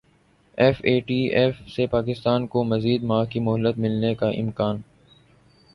F A T F سے پاکستان کو مزید ماہ کی مہلت ملنے کا امکان